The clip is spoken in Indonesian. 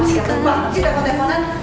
masih kumpul masih telfon telfonan